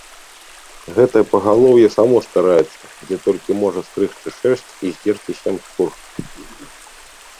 Гэтае пагалоўе само стараецца, дзе толькі можа стрыгчы шэрсць і здзерці сем скур.